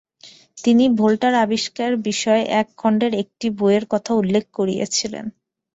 তিনি ভোল্টার আবিষ্কারের বিষয়ে এক খন্ডের একটি বইয়ের কথা উল্লেখ করেছিলেন।